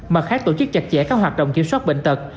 mặt khác tổ chức chặt chẽ các hoạt động kiểm soát bệnh tật